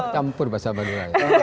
campur bahasa madura